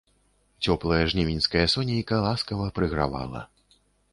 Цёплае жнівеньскае сонейка ласкава прыгравала.